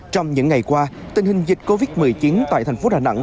trong những ngày qua tình hình dịch covid một mươi chín tại thành phố đà nẵng